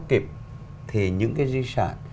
kịp thì những cái di sản